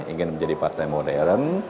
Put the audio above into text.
ingin menjadi partai modern